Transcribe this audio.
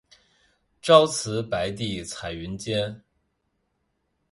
朝辞白帝彩云间